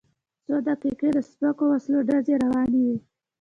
څو دقیقې د سپکو وسلو ډزې روانې وې.